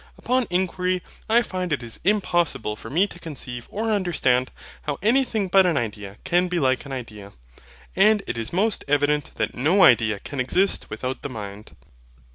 Upon inquiry, I find it is impossible for me to conceive or understand how anything but an idea can be like an idea. And it is most evident that NO IDEA CAN EXIST WITHOUT THE MIND.